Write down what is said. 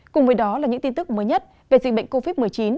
cùng với đó là những tin tức mới nhất về dịch bệnh covid một mươi chín